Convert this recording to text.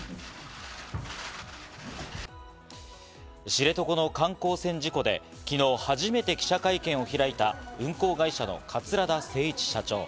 知床の観光船事故で昨日初めて記者会見を開いた運航会社の桂田精一社長。